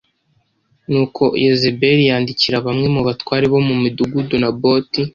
nuko yezebeli yandikira bamwe mu batware bo mu mudugudu naboti